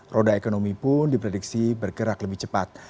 roda ekonomi pun diprediksi bergerak lebih cepat